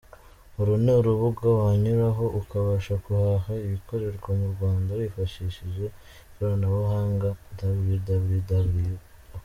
Uru ni urubuga wanyuraho ukabasha guhaha Ibikorerwa mu Rwanda wifashishije ikoranabuhanga: "www.